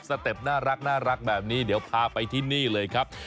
เต็ปน่ารักแบบนี้เดี๋ยวพาไปที่นี่เลยครับ